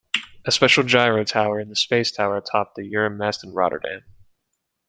A special gyro tower is the Space Tower atop the Euromast in Rotterdam.